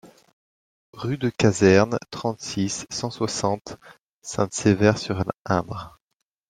Rue de Caserne, trente-six, cent soixante Sainte-Sévère-sur-Indre